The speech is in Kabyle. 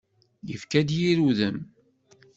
Yefka-d yir udem.